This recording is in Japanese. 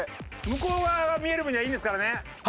向こう側が見える分にはいいんですからね。